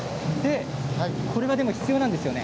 これが必要なんですよね。